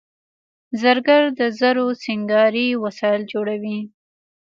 زرګر د زرو سینګاري وسایل جوړوي